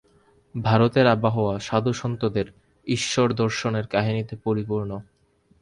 ভারতের আবহাওয়া সাধুসন্তদের ঈশ্বরদর্শনের কাহিনীতে পরিপূর্ণ।